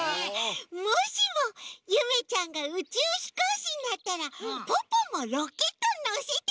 もしもゆめちゃんがうちゅうひこうしになったらポッポもロケットのせてほしい！